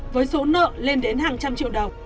với số nợ lên đến hàng trăm triệu đồng